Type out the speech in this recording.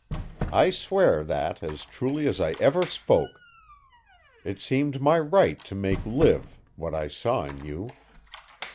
I swear that as truly as I ever spoke. It seemed my right to make live what I saw in you.